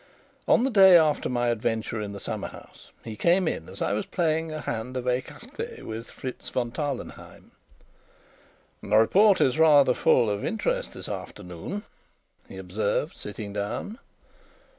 On the day after my adventure in the summer house, he came in as I was playing a hand of écarté with Fritz von Tarlenheim. "The report is rather full of interest this afternoon," he observed, sitting down.